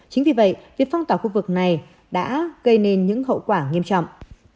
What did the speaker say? chính vì vậy việc phong tỏa khu vực này đã gây nên những hậu quả nghiêm trọng